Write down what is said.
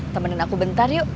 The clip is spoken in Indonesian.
temenin aku bentar yuk